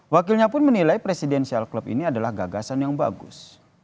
wakilnya pun menilai presidensial club ini adalah gagasan yang bagus